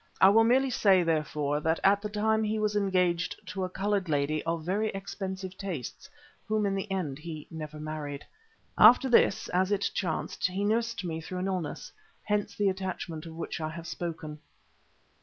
I will merely say, therefore, that at the time he was engaged to a coloured lady of very expensive tastes, whom in the end he never married. After this, as it chanced, he nursed me through an illness. Hence the attachment of which I have spoken.